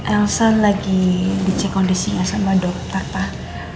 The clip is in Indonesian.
elsa lagi dicek kondisinya sama dokter pak